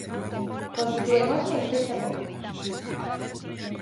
Constitúen hoxe a Igrexa Copta.